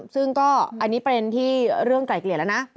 ซึ่งก็อันนี้ประเด็นที่เรื่องไกลเกลี่ยแล้วนะ